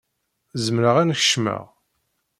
Zemreɣ ad n-kecmeɣ?